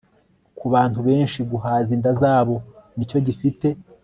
Ku bantu benshi guhaza inda zabo ni cyo gifite